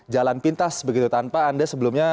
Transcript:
jalan pintas begitu tanpa anda sebelumnya